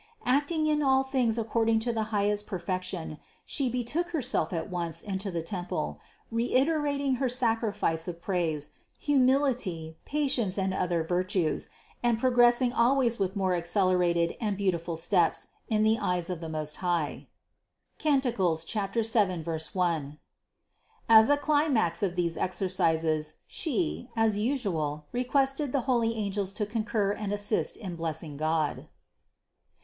Acting in all things according to the high est perfection, She betook Herself at once into the temple, reiterating her sacrifice of praise, humility, patience and of other virtues, and progressing always with more ac celerated and beautiful steps in the eyes of the Most High (Cant. 7, 1). As a climax of these exercises, She, as usual, requested the holy angels to concur and assist in blessing God.